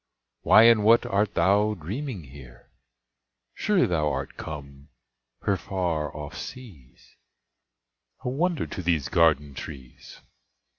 Why and what art thou dreaming here? Sure thou art come o'er far off seas, A wonder to these garden trees!